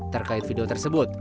terkait video tersebut